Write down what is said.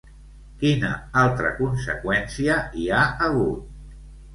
Quina altra conseqüència hi ha hagut?